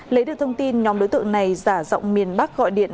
lấy được thông tin nhóm đối tượng này giả dọng miền bắc gọi điện